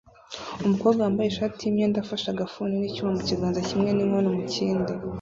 umukobwa wambaye ishati yimyenda afashe agafuni nicyuma mukiganza kimwe ninkono mukindi